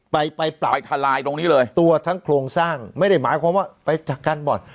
ไปไปปรับไปทลายตรงนี้เลยตัวทั้งโครงสร้างไม่ได้หมายความว่าไปจากการบ่อน